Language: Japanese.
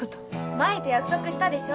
麻依と約束したでしょ？